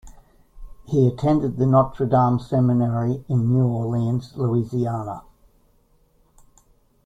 He attended the Notre Dame Seminary in New Orleans, Louisiana.